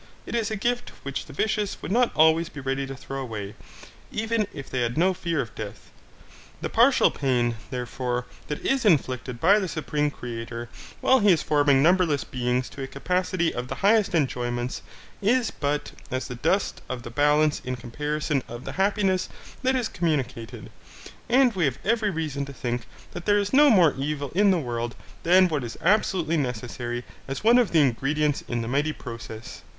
It is a gift which the vicious would not always be ready to throw away, even if they had no fear of death. The partial pain, therefore, that is inflicted by the supreme Creator, while he is forming numberless beings to a capacity of the highest enjoyments, is but as the dust of the balance in comparison of the happiness that is communicated, and we have every reason to think that there is no more evil in the world than what is absolutely necessary as one of the ingredients in the mighty process.